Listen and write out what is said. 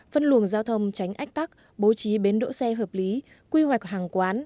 phân luồng giao thông tránh ách tắc bố trí bến đỗ xe hợp lý quy hoạch hàng quán